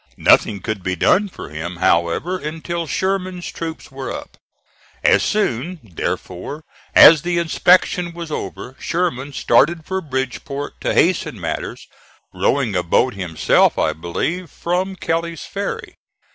Nothing could be done for him, however, until Sherman's troops were up. As soon, therefore, as the inspection was over, Sherman started for Bridgeport to hasten matters, rowing a boat himself, I believe, from Kelly's Ferry.